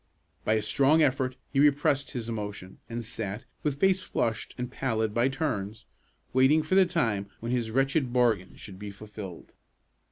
By a strong effort, he repressed his emotion, and sat, with face flushed and pallid by turns, waiting for the time when his wretched bargain should be fulfilled.